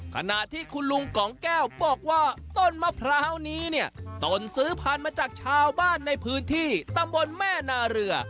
ขณะที่คุณลุงกล๋องแก้วบอกว่าต้นมะพร้าวต้นสือผ่านมาจากชาวบ้านในพื้นที่ตำบลแม่นาเรือ